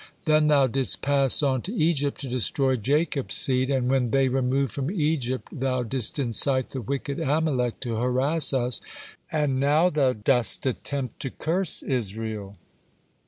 Then thou didst pass on to Egypt to destroy Jacob's seed, and when they removed from Egypt thou didst incite the wicked Amalek to harass us, and not thou didst attempt to curse Israel.